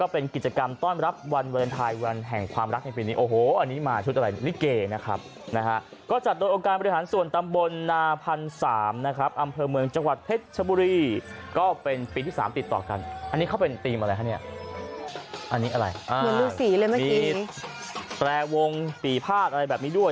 ไปแปะให้กับทุกคนเนี่ยช่างภาพด้วย